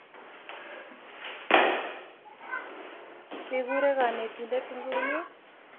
I bi kure kanetindet inguni?